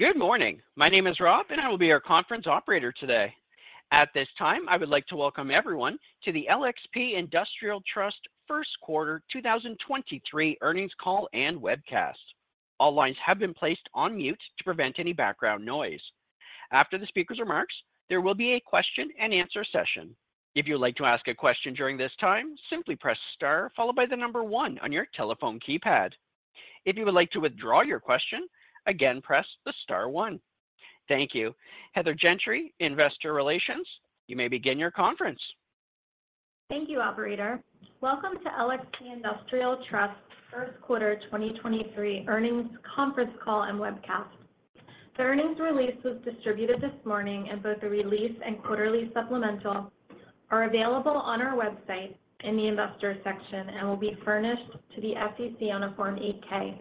Good morning. My name is Rob, and I will be your conference operator today. At this time, I would like to welcome everyone to the LXP Industrial Trust First Quarter 2023 Earnings Call and Webcast. All lines have been placed on mute to prevent any background noise. After the speaker's remarks, there will be a question and answer session. If you would like to ask a question during this time, simply press star followed by the number one on your telephone keypad. If you would like to withdraw your question, again, press the star one. Thank you. Heather Gentry, Investor Relations. You may begin your conference. Thank you, operator. Welcome to LXP Industrial Trust First Quarter 2023 Earnings Conference Call and Webcast. Both the release and quarterly supplemental are available on our website in the investors section and will be furnished to the SEC on a Form 8-K.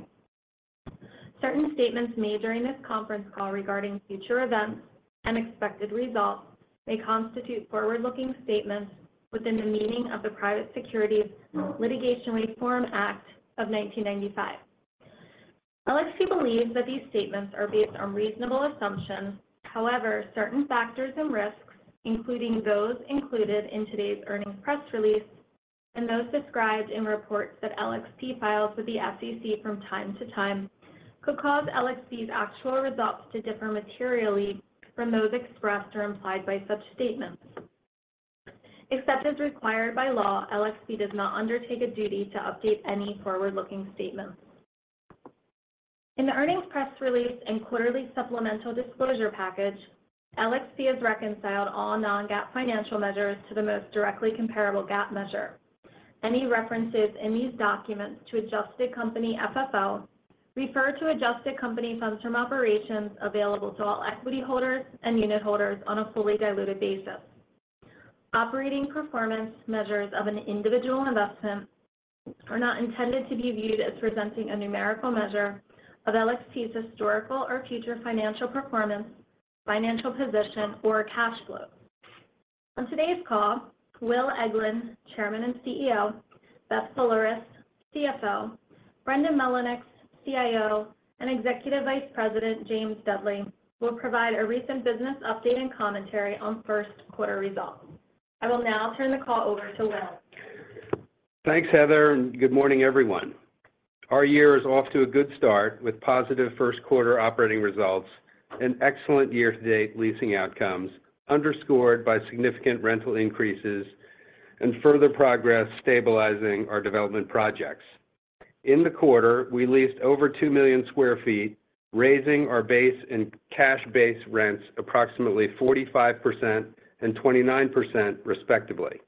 Certain statements made during this conference call regarding future events and expected results may constitute forward-looking statements within the meaning of the Private Securities Litigation Reform Act of 1995. LXP believes that these statements are based on reasonable assumptions. However, certain factors and risks, including those included in today's earnings press release and those described in reports that LXP files with the SEC from time to time, could cause LXP's actual results to differ materially from those expressed or implied by such statements. Except as required by law, LXP does not undertake a duty to update any forward-looking statements. In the earnings press release and quarterly supplemental disclosure package, LXP has reconciled all non-GAAP financial measures to the most directly comparable GAAP measure. Any references in these documents to adjusted company FFO refer to adjusted company funds from operations available to all equity holders and unit holders on a fully diluted basis. Operating performance measures of an individual investment are not intended to be viewed as presenting a numerical measure of LXP's historical or future financial performance, financial position, or cash flow. On today's call, Will Eglin, Chairman and CEO; Beth Boulerice, CFO; Brendan Mullinix, CIO; and Executive Vice President James Dudley will provide a recent business update and commentary on first quarter results. I will now turn the call over to Will. Thanks, Heather. Good morning, everyone. Our year is off to a good start with positive first quarter operating results and excellent year-to-date leasing outcomes underscored by significant rental increases and further progress stabilizing our development projects. In the quarter, we leased over 2 million sq ft, raising our base and cash base rents approximately 45% and 29% respectively.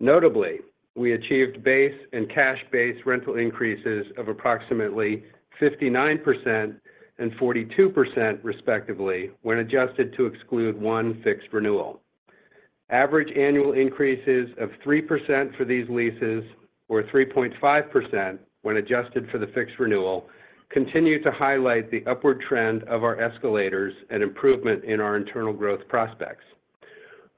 Notably, we achieved base and cash base rental increases of approximately 59% and 42% respectively when adjusted to exclude 1 fixed renewal. Average annual increases of 3% for these leases were 3.5% when adjusted for the fixed renewal, continue to highlight the upward trend of our escalators and improvement in our internal growth prospects.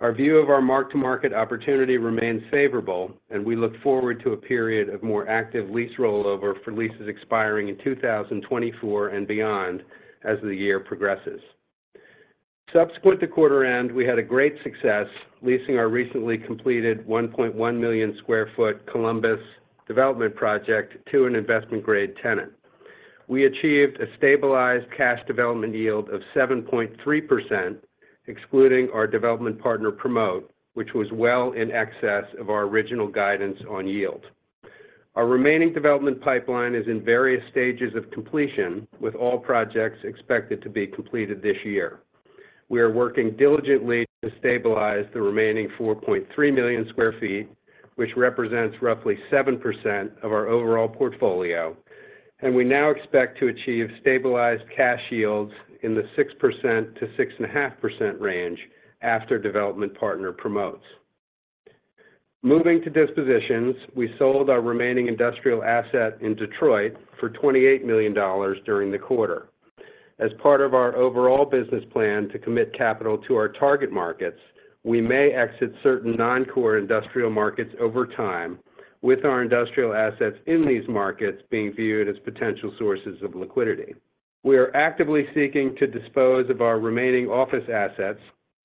Our view of our mark-to-market opportunity remains favorable, and we look forward to a period of more active lease rollover for leases expiring in 2024 and beyond as the year progresses. Subsequent to quarter end, we had a great success leasing our recently completed 1.1 million sq ft Columbus development project to an investment grade tenant. We achieved a stabilized cash development yield of 7.3%, excluding our development partner Promote, which was well in excess of our original guidance on yield. Our remaining development pipeline is in various stages of completion, with all projects expected to be completed this year. We are working diligently to stabilize the remaining 4.3 million square feet, which represents roughly 7% of our overall portfolio, and we now expect to achieve stabilized cash yields in the 6%-6.5% range after development partner promotes. Moving to dispositions, we sold our remaining industrial asset in Detroit for $28 million during the quarter. As part of our overall business plan to commit capital to our target markets, we may exit certain non-core industrial markets over time with our industrial assets in these markets being viewed as potential sources of liquidity. We are actively seeking to dispose of our remaining office assets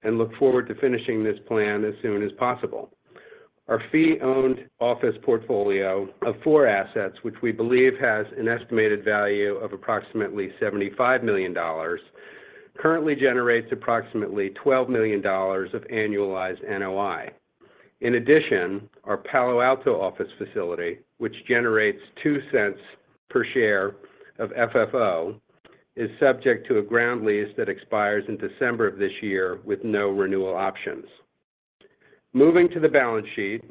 and look forward to finishing this plan as soon as possible. Our fee owned office portfolio of four assets, which we believe has an estimated value of approximately $75 million, currently generates approximately $12 million of annualized NOI. In addition, our Palo Alto office facility, which generates 0.02 per share of FFO, is subject to a ground lease that expires in December of this year with no renewal options. Moving to the balance sheet,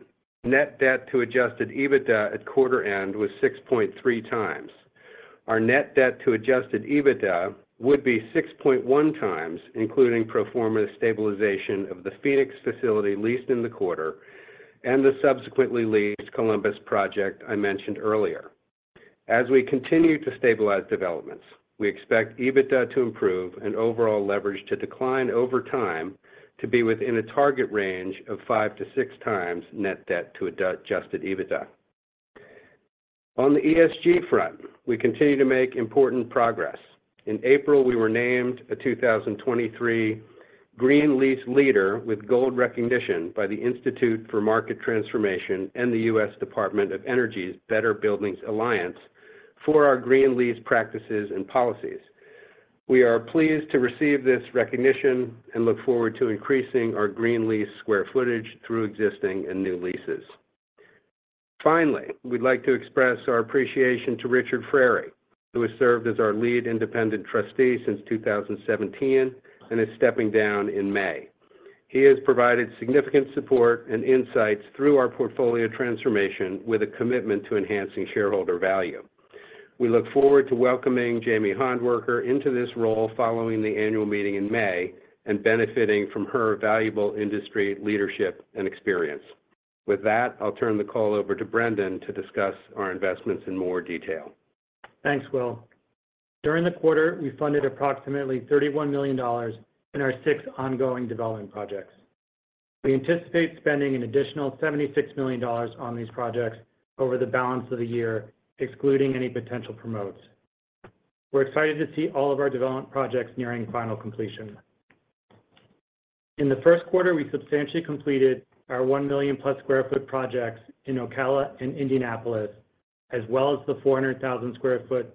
net debt to adjusted EBITDA at quarter end was 6.3x. Our net debt to adjusted EBITDA would be 6.1x, including pro forma stabilization of the Phoenix facility leased in the quarter and the subsequently leased Columbus project I mentioned earlier. As we continue to stabilize developments, we expect EBITDA to improve and overall leverage to decline over time to be within a target range of five-six times net debt to adjusted EBITDA. On the ESG front, we continue to make important progress. In April, we were named a 2023 Green Lease Leader with gold recognition by the Institute for Market Transformation and the U.S. Department of Energy's Better Buildings Alliance for our green lease practices and policies. We are pleased to receive this recognition and look forward to increasing our green lease square footage through existing and new leases. Finally, we'd like to express our appreciation to Richard Frary, who has served as our lead independent trustee since 2017, and is stepping down in May. He has provided significant support and insights through our portfolio transformation with a commitment to enhancing shareholder value. We look forward to welcoming Jamie Handwerker into this role following the annual meeting in May, and benefiting from her valuable industry leadership and experience. With that, I'll turn the call over to Brendan to discuss our investments in more detail. Thanks, Will. During the quarter, we funded approximately $31 million in our six ongoing development projects. We anticipate spending an additional $76 million on these projects over the balance of the year, excluding any potential promotes. We're excited to see all of our development projects nearing final completion. In the first quarter, we substantially completed our 1 million+ sq ft projects in Ocala and Indianapolis, as well as the 400,000 sq ft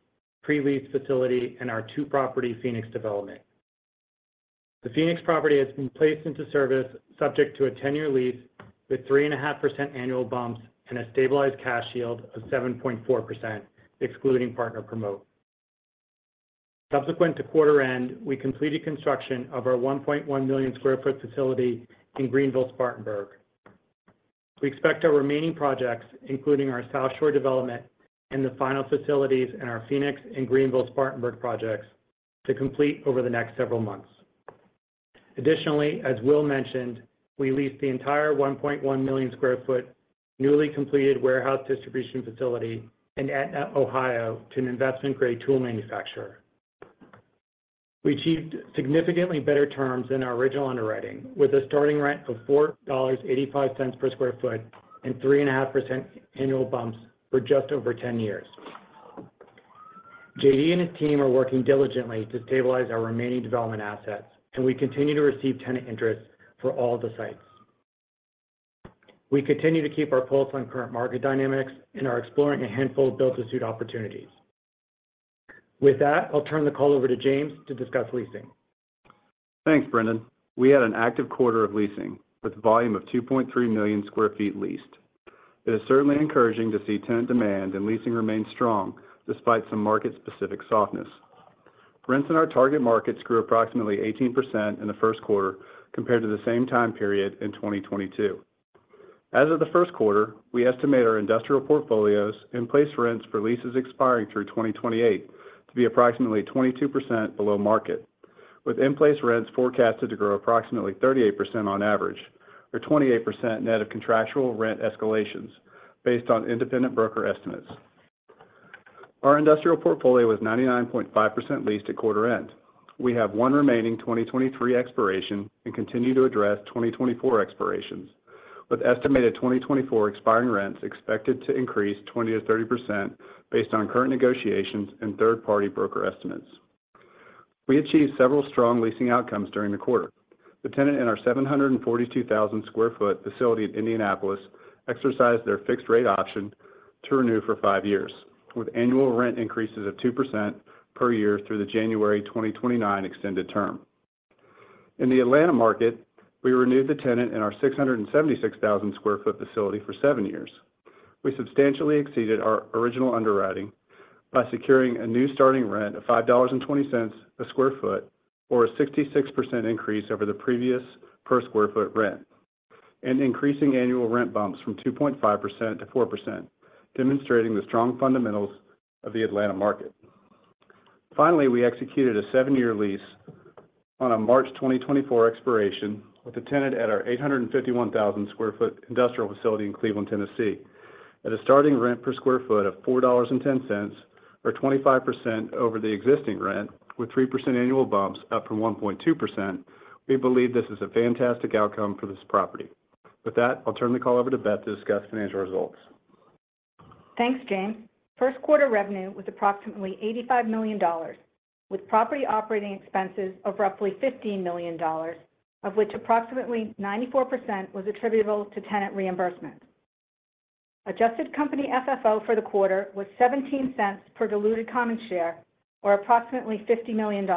pre-lease facility in our two property Phoenix development. The Phoenix property has been placed into service subject to a 10-year lease with 3.5% annual bumps and a stabilized cash yield of 7.4%, excluding partner promote. Subsequent to quarter end, we completed construction of our 1.1 million sq ft facility in Greenville, Spartanburg. We expect our remaining projects, including our South Shore development and the final facilities in our Phoenix and Greenville, Spartanburg projects, to complete over the next several months. Additionally, as Will mentioned, we leased the entire 1.1 million sq ft newly completed warehouse distribution facility in Etna, Ohio to an investment-grade tool manufacturer. We achieved significantly better terms than our original underwriting, with a starting rent of $4.85 per square foot and 3.5% annual bumps for just over 10 years. JD and his team are working diligently to stabilize our remaining development assets, and we continue to receive tenant interest for all the sites. We continue to keep our pulse on current market dynamics and are exploring a handful of build-to-suit opportunities. With that, I'll turn the call over to James to discuss leasing. Thanks, Brendan. We had an active quarter of leasing with volume of 2.3 million sq ft leased. It is certainly encouraging to see tenant demand and leasing remain strong despite some market-specific softness. Rents in our target markets grew approximately 18% in the first quarter compared to the same time period in 2022. As of the first quarter, we estimate our industrial portfolio's in-place rents for leases expiring through 2028 to be approximately 22% below market, with in-place rents forecasted to grow approximately 38% on average, or 28% net of contractual rent escalations based on independent broker estimates. Our industrial portfolio was 99.5% leased at quarter end. We have one remaining 2023 expiration and continue to address 2024 expirations, with estimated 2024 expiring rents expected to increase 20%-30% based on current negotiations and third-party broker estimates. We achieved several strong leasing outcomes during the quarter. The tenant in our 742,000 sq ft facility at Indianapolis exercised their fixed rate option to renew for five years, with annual rent increases of 2% per year through the January 2029 extended term. In the Atlanta market, we renewed the tenant in our 676,000 sq ft facility for seven years. We substantially exceeded our original underwriting by securing a new starting rent of $5.20 a sq ft, or a 66% increase over the previous per sq ft rent, and increasing annual rent bumps from 2.5%-4%, demonstrating the strong fundamentals of the Atlanta market. Finally, we executed a seven-year lease on a March 2024 expiration with a tenant at our 851,000 sq ft industrial facility in Cleveland, Tennessee. At a starting rent per sq ft of $4.10, or 25% over the existing rent, with 3% annual bumps up from 1.2%, we believe this is a fantastic outcome for this property. With that, I'll turn the call over to Beth to discuss financial results. Thanks, James. First quarter revenue was approximately $85 million, with property operating expenses of roughly $15 million, of which approximately 94% was attributable to tenant reimbursement. Adjusted company FFO for the quarter was $0.17 per diluted common share, or approximately $50 million.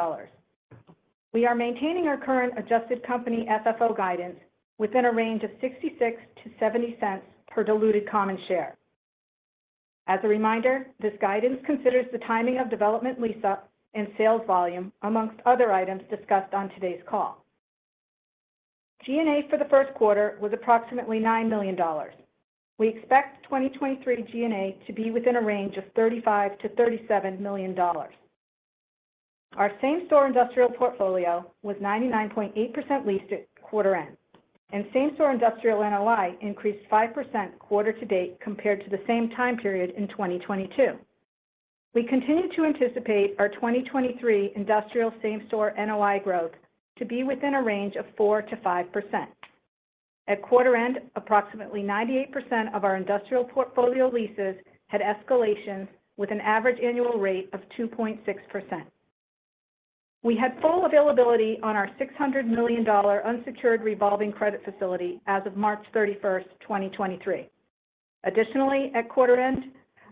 We are maintaining our current adjusted company FFO guidance within a range of $0.66-$0.70 per diluted common share. As a reminder, this guidance considers the timing of development lease up and sales volume amongst other items discussed on today's call. G&A for the first quarter was approximately $9 million. We expect 2023 G&A to be within a range of $35 million-$37 million. Our same-store industrial portfolio was 99.8% leased at quarter end. Same-store industrial NOI increased 5% quarter to date compared to the same time period in 2022. We continue to anticipate our 2023 industrial same-store NOI growth to be within a range of 4%-5%. At quarter end, approximately 98% of our industrial portfolio leases had escalations with an average annual rate of 2.6%. We had full availability on our $600 million unsecured revolving credit facility as of March 31, 2023. Additionally, at quarter end,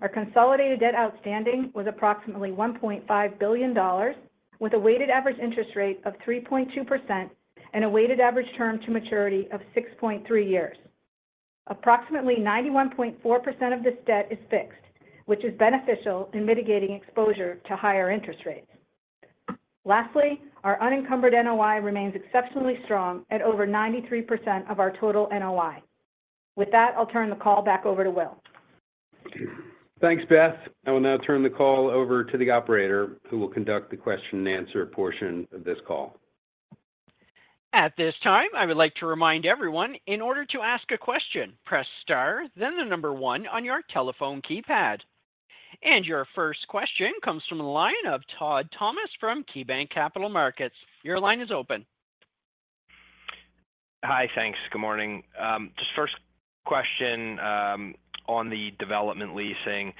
our consolidated debt outstanding was approximately $1.5 billion with a weighted average interest rate of 3.2% and a weighted average term to maturity of 6.3 years. Approximately 91.4% of this debt is fixed, which is beneficial in mitigating exposure to higher interest rates. Lastly, our unencumbered NOI remains exceptionally strong at over 93% of our total NOI. With that, I'll turn the call back over to Will. Thanks, Beth. I will now turn the call over to the operator, who will conduct the question-and-answer portion of this call. At this time, I would like to remind everyone, in order to ask a question, press star, then the 1 on your telephone keypad. Your first question comes from the line of Todd Thomas from KeyBanc Capital Markets. Your line is open. Hi. Thanks. Good morning. Just first question, on the development leasing.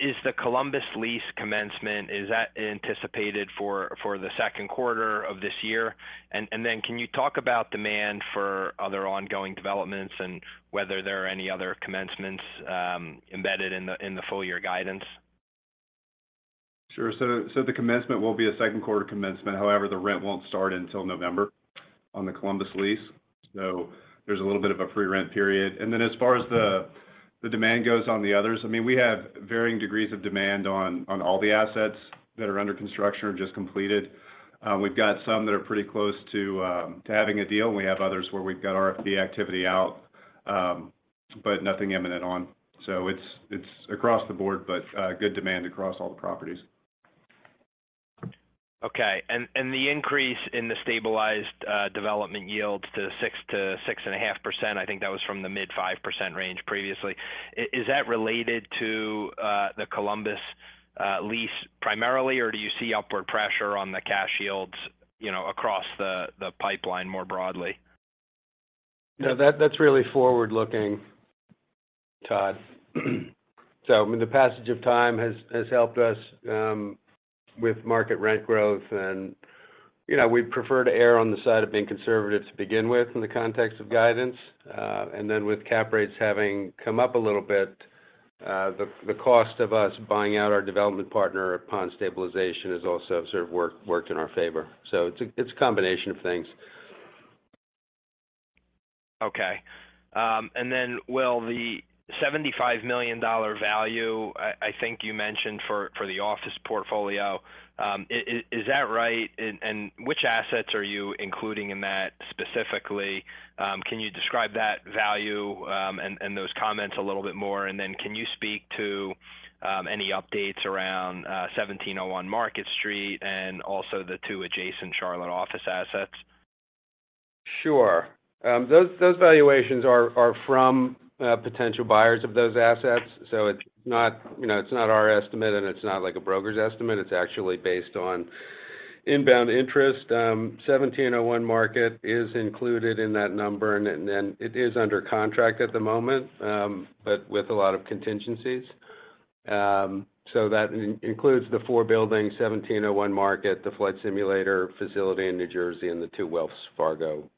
Is the Columbus lease commencement, is that anticipated for the second quarter of this year? Can you talk about demand for other ongoing developments and whether there are any other commencements embedded in the full year guidance? Sure. The commencement will be a second quarter commencement. However, the rent won't start until November on the Columbus lease, so there's a little bit of a free rent period. As far as the demand goes on the others, I mean, we have varying degrees of demand on all the assets that are under construction or just completed. We've got some that are pretty close to having a deal, and we have others where we've got RFP activity out, but nothing imminent on. It's across the board, but good demand across all the properties. Okay. The increase in the stabilized development yields to 6%-6.5%, I think that was from the mid 5% range previously. Is that related to the Columbus lease primarily, or do you see upward pressure on the cash yields, you know, across the pipeline more broadly? No. That's, that's really forward-looking, Todd. I mean, the passage of time has helped us with market rent growth and, you know, we prefer to err on the side of being conservative to begin with in the context of guidance. With cap rates having come up a little bit, the cost of us buying out our development partner upon stabilization has also sort of worked in our favor. It's a combination of things. Okay. Will, the $75 million value, I think you mentioned for the office portfolio, is that right? Which assets are you including in that specifically? Can you describe that value, and those comments a little bit more? Can you speak to any updates around 1701 Market Street and also the two adjacent Charlotte office assets? Sure. Those valuations are from potential buyers of those assets. It's not, you know, it's not our estimate, and it's not like a broker's estimate. It's actually based on inbound interest. 1701 Market is included in that number and it is under contract at the moment, but with a lot of contingencies. That includes the four buildings, 1701 Market, the flight simulator facility in New Jersey, and the two Wells Fargo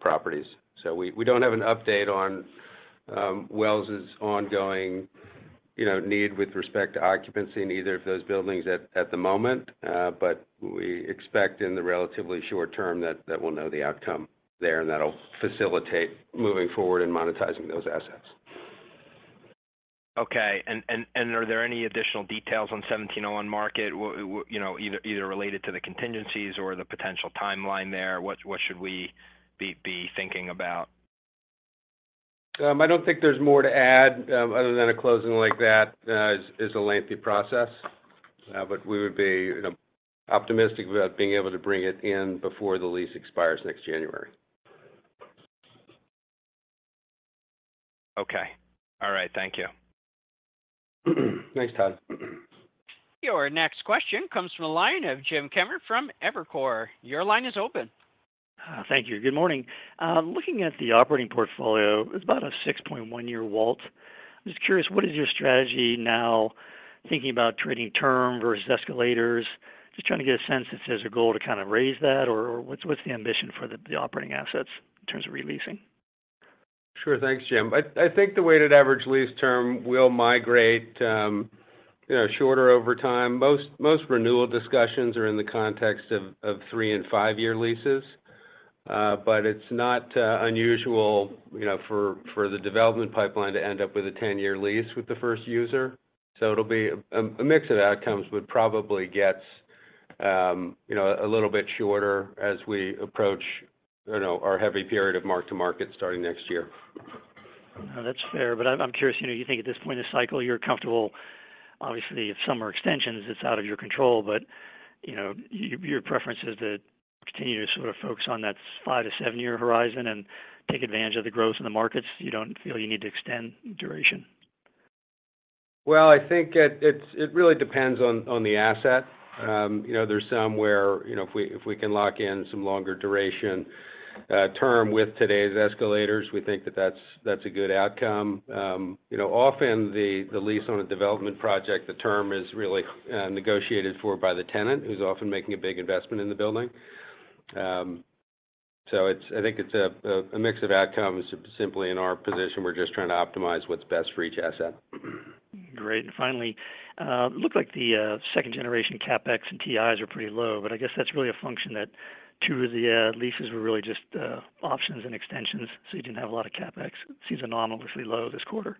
properties. We don't have an update on Wells' ongoing, you know, need with respect to occupancy in either of those buildings at the moment. We expect in the relatively short term that we'll know the outcome there, and that'll facilitate moving forward and monetizing those assets. Okay. Are there any additional details on 1701 Market, you know, either related to the contingencies or the potential timeline there? What should we be thinking about? I don't think there's more to add, other than a closing like that, is a lengthy process. We would be, you know, optimistic about being able to bring it in before the lease expires next January. Okay. All right. Thank you. Thanks, Todd. Your next question comes from the line of Jim Kammert from Evercore. Your line is open. Thank you. Good morning. Looking at the operating portfolio, it's about a 6.1 year WALT. Just curious, what is your strategy now thinking about trading term versus escalators? Just trying to get a sense if there's a goal to kind of raise that, or what's the ambition for the operating assets in terms of re-leasing? Sure. Thanks, Jim. I think the weighted average lease term will migrate, you know, shorter over time. Most renewal discussions are in the context of three and five-year leases. It's not unusual, you know, for the development pipeline to end up with a 10-year lease with the first user. It'll be a mix of outcomes, would probably get, you know, a little bit shorter as we approach, you know, our heavy period of mark-to-market starting next year. That's fair. I'm curious, you know, you think at this point in the cycle, you're comfortable. Obviously, if some are extensions, it's out of your control, but, you know, your preference is to continue to sort of focus on that five to seven-year horizon and take advantage of the growth in the markets. You don't feel you need to extend duration? Well, I think it really depends on the asset. You know, there's some where, if we can lock in some longer duration term with today's escalators, we think that's a good outcome. You know, often the lease on a development project, the term is really negotiated for by the tenant who's often making a big investment in the building. I think it's a mix of outcomes. Simply in our position, we're just trying to optimize what's best for each asset. Great. Finally, looked like the second-generation CapEx and TIs are pretty low, but I guess that's really a function that two of the leases were really just options and extensions, so you didn't have a lot of CapEx. Seems anomalously low this quarter.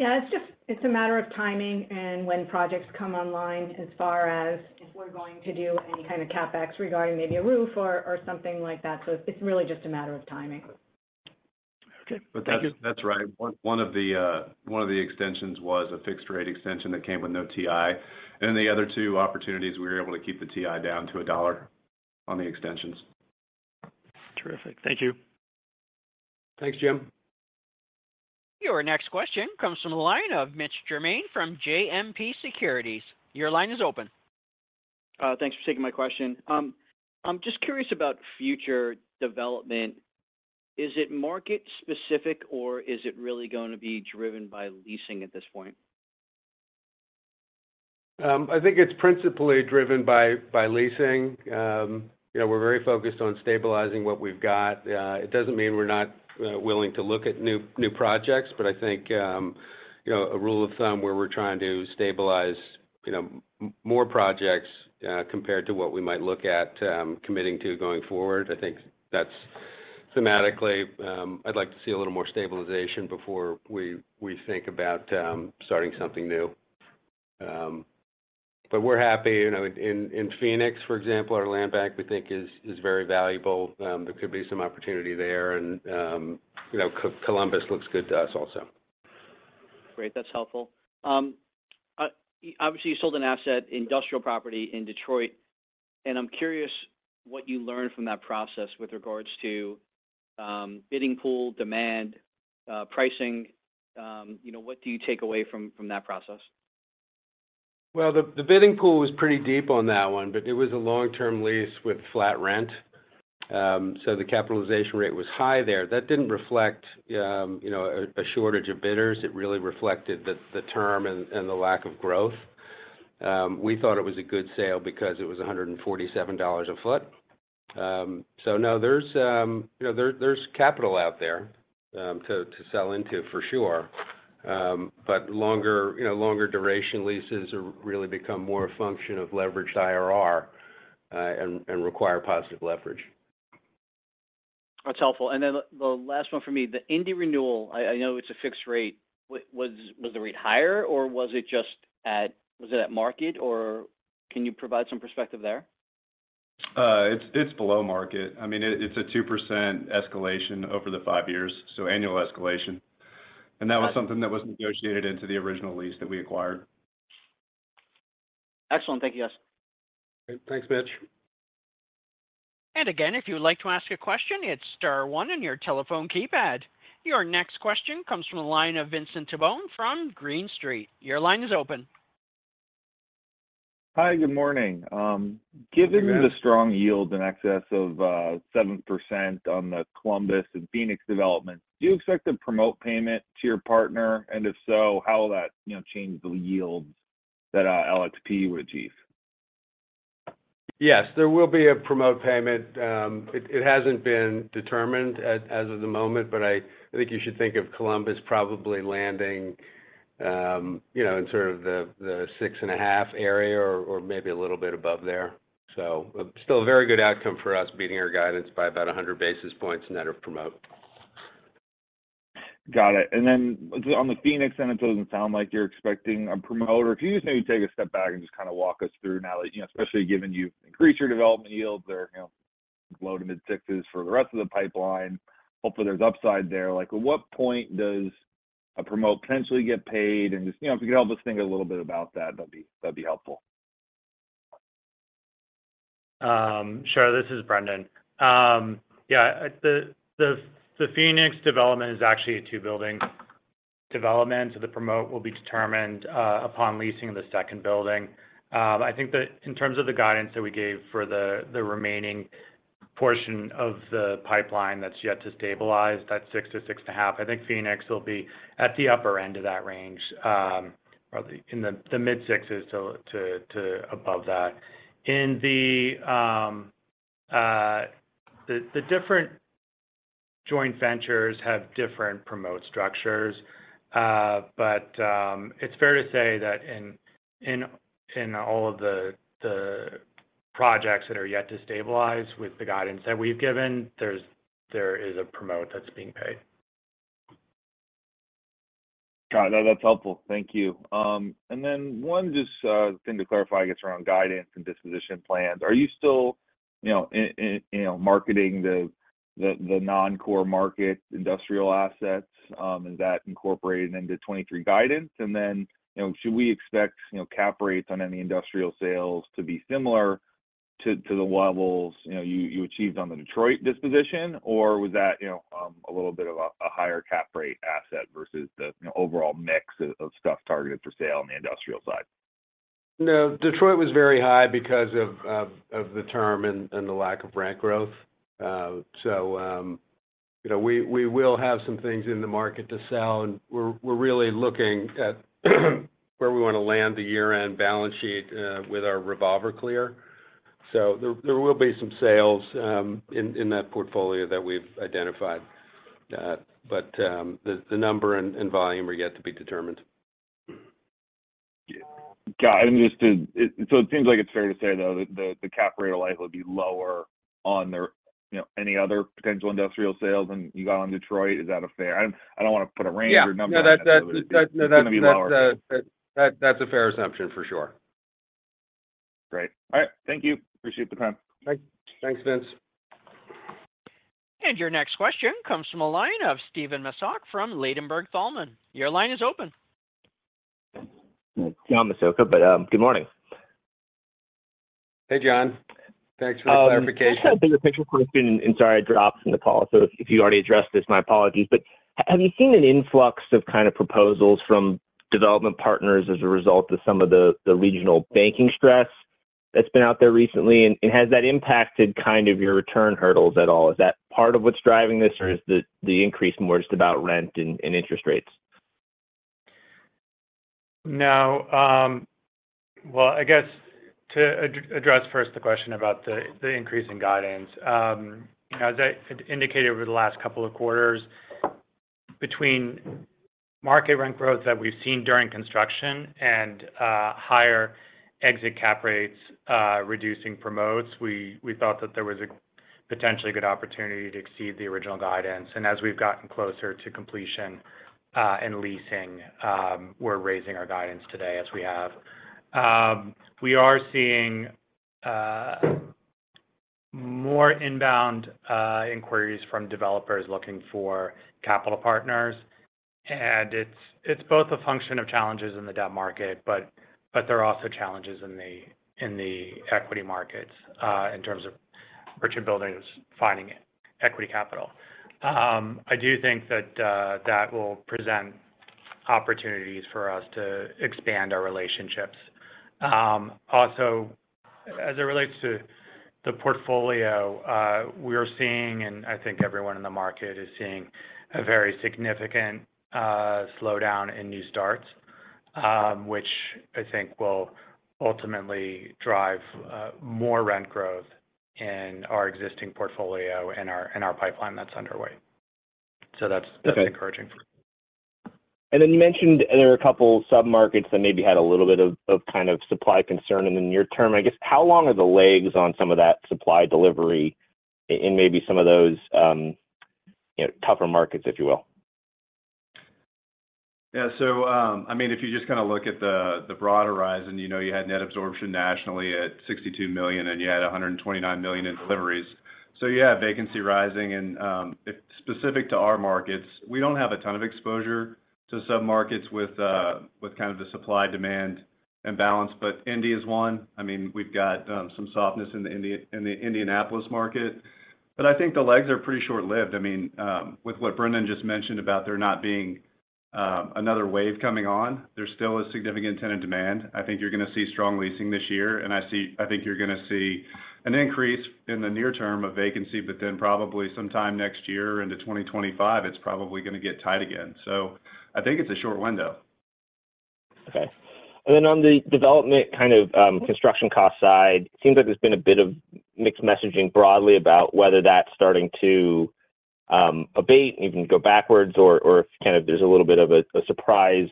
Yeah. It's just a matter of timing and when projects come online as far as if we're going to do any kind of CapEx regarding maybe a roof or something like that. It's really just a matter of timing. Okay. Thank you. That's right. One of the extensions was a fixed rate extension that came with no TI. The other two opportunities we were able to keep the TI down to $1 on the extensions. Terrific. Thank you. Thanks, Jim. Your next question comes from the line of Mitch Germain from JMP Securities. Your line is open. Thanks for taking my question. I'm just curious about future development. Is it market specific or is it really going to be driven by leasing at this point? I think it's principally driven by leasing. You know, we're very focused on stabilizing what we've got. It doesn't mean we're not willing to look at new projects, but I think, you know, a rule of thumb where we're trying to stabilize, you know, more projects compared to what we might look at committing to going forward. I think that's thematically, I'd like to see a little more stabilization before we think about starting something new. We're happy. You know, in Phoenix, for example, our land bank we think is very valuable. There could be some opportunity there and, you know, Columbus looks good to us also. Great. That's helpful. Obviously, you sold an asset industrial property in Detroit, and I'm curious what you learned from that process with regards to, bidding pool, demand, pricing. You know, what do you take away from that process? The, the bidding pool was pretty deep on that one, but it was a long-term lease with flat rent. The capitalization rate was high there. That didn't reflect, you know, a shortage of bidders. It really reflected the term and the lack of growth. We thought it was a good sale because it was $147 a foot. No, there's, you know, there's capital out there to sell into for sure. Longer, you know, longer duration leases are really become more a function of leveraged IRR and require positive leverage. That's helpful. Then the last one for me, the Indy renewal, I know it's a fixed rate. Was the rate higher or was it just at market or can you provide some perspective there? It's below market. I mean, it's a 2% escalation over the 5 years, so annual escalation. That was something that was negotiated into the original lease that we acquired. Excellent. Thank you, guys. Thanks, Mitch. Again, if you would like to ask a question, hit star 1 on your telephone keypad. Your next question comes from a line of Vince Tibone from Green Street. Your line is open. Hi, good morning. Good morning. Given the strong yield in excess of, 7% on the Columbus and Phoenix developments, do you expect to promote payment to your partner? If so, how will that, you know, change the yields that LXP would achieve? Yes, there will be a promote payment. It hasn't been determined as of the moment, but I think you should think of Columbus probably landing, you know, in sort of the 6.5 area or maybe a little bit above there. Still a very good outcome for us, beating our guidance by about 100 basis points net of promote. Got it. On the Phoenix end, it doesn't sound like you're expecting a promote. Can you just maybe take a step back and just kind of walk us through now that, you know, especially given you've increased your development yields, they're, you know, low-to-mid 6s% for the rest of the pipeline. Hopefully, there's upside there. Like, at what point does a promote potentially get paid? Just, you know, if you could help us think a little bit about that'd be, that'd be helpful. Sure. This is Brendan. Yeah. The Phoenix development is actually a two building development. The promote will be determined upon leasing the second building. I think that in terms of the guidance that we gave for the remaining portion of the pipeline that's yet to stabilize, that's 6%-6.5%. I think Phoenix will be at the upper end of that range, probably in the mid-sixes to above that. The different joint ventures have different promote structures. It's fair to say that in all of the projects that are yet to stabilize with the guidance that we've given, there is a promote that's being paid. Got it. That's helpful. Thank you. One just thing to clarify, I guess, around guidance and disposition plans. Are you still, you know, marketing the non-core market industrial assets? Is that incorporated into 2023 guidance? Should we expect, you know, cap rates on any industrial sales to be similar to the levels, you know, you achieved on the Detroit disposition? Was that, you know, a little bit of a higher cap rate asset versus the, you know, overall mix of stuff targeted for sale on the industrial side? No, Detroit was very high because of the term and the lack of rent growth. you know, we will have some things in the market to sell, and we're really looking at where we want to land the year-end balance sheet with our revolver clear. There will be some sales in that portfolio that we've identified. The number and volume are yet to be determined. Yeah. Got it. It seems like it's fair to say, though, that the cap rate will likely be lower on their, you know, any other potential industrial sales than you got on Detroit. Is that a fair? I don't want to put a range or number on that. Yeah. No, that. It's going to be lower.... that's a fair assumption, for sure. Great. All right. Thank you. Appreciate the time. Thanks, Vince. Your next question comes from the line of John Massocca from Ladenburg Thalmann. Your line is open. John Massocca, Good morning. Hey, John. Thanks for the clarification. This has been the central question. Sorry I dropped from the call, so if you already addressed this, my apologies. Have you seen an influx of kind of proposals from development partners as a result of some of the regional banking stress that's been out there recently? Has that impacted kind of your return hurdles at all? Is that part of what's driving this? Is the increase more just about rent and interest rates? No. Well, I guess to address first the question about the increase in guidance. You know, as I had indicated over the last couple of quarters, between market rent growth that we've seen during construction and higher exit cap rates, reducing promotes, we thought that there was a potentially good opportunity to exceed the original guidance. As we've gotten closer to completion and leasing, we're raising our guidance today as we have. We are seeing more inbound inquiries from developers looking for capital partners. It's both a function of challenges in the debt market, but there are also challenges in the equity markets in terms of spec buildings finding equity capital. I do think that will present opportunities for us to expand our relationships. Also, as it relates to the portfolio, we're seeing, and I think everyone in the market is seeing, a very significant slowdown in new starts, which I think will ultimately drive more rent growth in our existing portfolio and in our pipeline that's underway. Okay... that's encouraging for us. You mentioned there are a couple submarkets that maybe had a little bit of kind of supply concern in the near term. I guess, how long are the legs on some of that supply delivery in maybe some of those, you know, tougher markets, if you will? I mean, if you just kind of look at the broader horizon, you know, you had net absorption nationally at $62 million, and you had $129 million in deliveries. You have vacancy rising and, if specific to our markets, we don't have a ton of exposure to submarkets with kind of the supply-demand imbalance. Indy is one. I mean, we've got some softness in the Indianapolis market. I think the legs are pretty short-lived. I mean, with what Brendan just mentioned about there not being another wave coming on, there's still a significant tenant demand. I think you're going to see strong leasing this year, and I think you're going to see an increase in the near term of vacancy, but then probably sometime next year into 2025, it's probably going to get tight again. I think it's a short window. Okay. On the development, kind of, construction cost side, seems like there's been a bit of mixed messaging broadly about whether that's starting to abate and even go backwards or if kind of there's a little bit of a surprising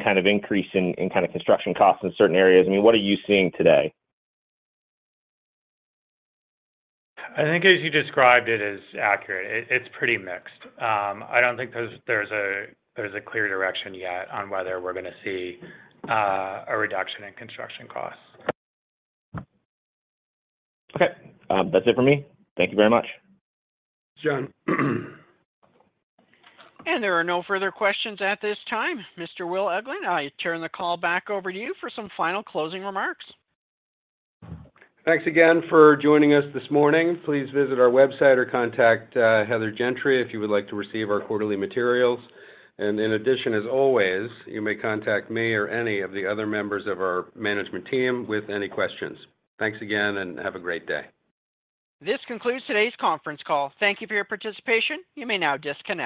kind of increase in kind of construction costs in certain areas. I mean, what are you seeing today? I think as you described it, is accurate. It's pretty mixed. I don't think there's a clear direction yet on whether we're going to see a reduction in construction costs. Okay. That's it for me. Thank you very much. Thanks, John. There are no further questions at this time. Mr. Will Eglin, I turn the call back over to you for some final closing remarks. Thanks again for joining us this morning. Please visit our website or contact Heather Gentry if you would like to receive our quarterly materials. In addition, as always, you may contact me or any of the other members of our management team with any questions. Thanks again. Have a great day. This concludes today's conference call. Thank you for your participation. You may now disconnect.